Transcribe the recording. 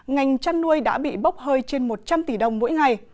ngành chăn nuôi đã bị bốc hơi trên một trăm linh tỷ đồng mỗi ngày